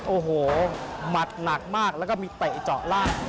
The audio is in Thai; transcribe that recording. โอ้โหหมัดหนักมากแล้วก็มีเตะเจาะล่าง